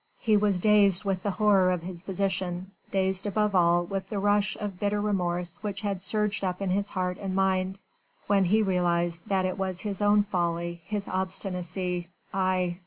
He was dazed with the horror of his position, dazed above all with the rush of bitter remorse which had surged up in his heart and mind, when he realised that it was his own folly, his obstinacy aye!